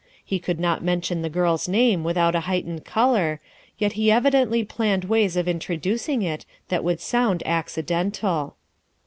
He could not mention the girl's name without a heightened color, yet he evidently planned ways of introducing it that would sound accidental.